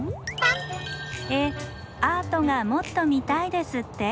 えっアートがもっと見たいですって？